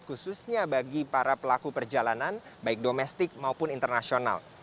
khususnya bagi para pelaku perjalanan baik domestik maupun internasional